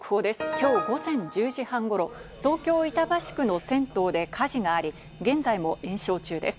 きょう午前１０時半ごろ、東京・板橋区の銭湯で火事があり、現在も延焼中です。